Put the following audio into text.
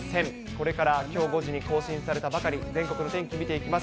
これからきょう５時に更新されたばかり、全国の天気、見ていきます。